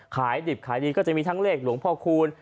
ขายด็ดขายดีจะมีทั้งเลขหลวงพระขู้น